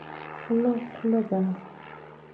خوله خوله ده.